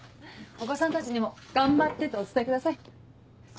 お子さんたちにも「頑張って」とお伝えください。